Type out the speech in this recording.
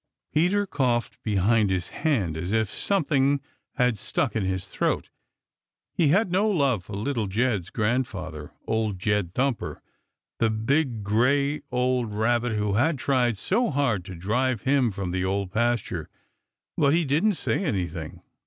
Peter coughed behind his hand as if something had stuck in his throat. He had no love for Little Jed's grandfather, Old Jed Thumper, the big, gray, old Rabbit who had tried so hard to drive him from the Old Pasture, but he didn't say anything.